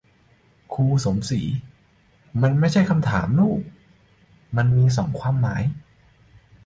ครูสมศรี : มันไม่ใช่คำถามลูก มันมีสองความหมาย